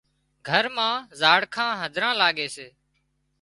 گھر مان زاڙکان هڌران لاڳي سي